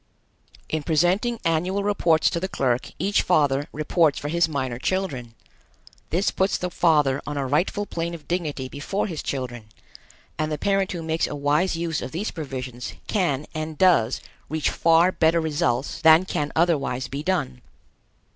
In presenting annual reports to the clerk each father reports for his minor children. This puts the father on a rightful plane of dignity before his children, and the parent who makes a wise use of these provisions can and does reach far better results than can otherwise be done.